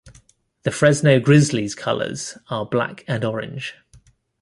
The Fresno Grizzlies' colors are black and orange.